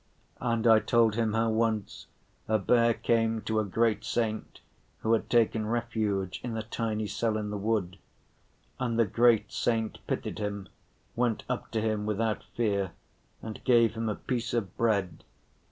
And I told him how once a bear came to a great saint who had taken refuge in a tiny cell in the wood. And the great saint pitied him, went up to him without fear and gave him a piece of bread.